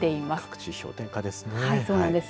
各地、氷点下ですね。